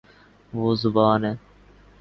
وہ زبا ن ہے